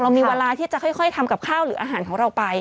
มีเวลาที่จะค่อยทำกับข้าวหรืออาหารของเราไป